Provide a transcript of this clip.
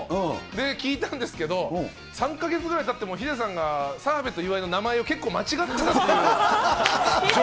聞いたんですけれども、３か月ぐらいたってもヒデさんが澤部と岩井の名前を結構間違ってまじで？